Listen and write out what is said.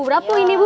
berapa ini bu